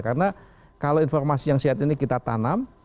karena kalau informasi yang sehat ini kita tanam